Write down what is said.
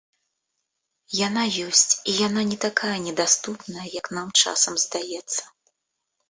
Яна ёсць і яна не такая недаступная, як нам часам здаецца.